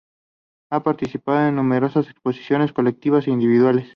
Ha participado en numerosas exposiciones colectivas e individuales.